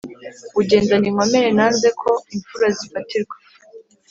Ugendana inkomere nanze ko imfura zifatirwa,